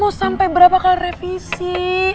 oh sampai berapa kali revisi